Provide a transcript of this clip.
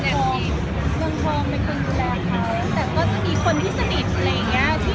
ทองเมืองทองเป็นคนดูแลเขาแต่ก็จะมีคนที่สนิทอะไรอย่างเงี้ย